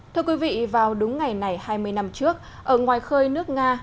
thưa quý vị vào đúng ngày này hai mươi năm trước ở ngoài khơi nước nga